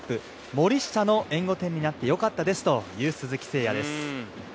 森下の援護弾になってよかったですという鈴木誠也です。